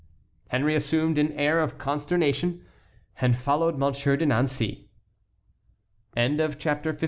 Henry assumed an air of consternation, and followed Monsieur de Nancey.